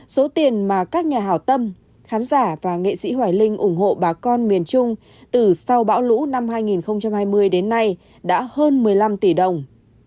số tiền mà các nhà hào tâm khán giả và nghệ sĩ hoài linh ủng hộ bà con miền trung từ sau bão lũ năm hai nghìn hai mươi đến nay đã hơn một mươi năm tỷ đồng